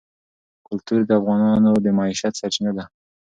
کلتور د افغانانو د معیشت سرچینه ده.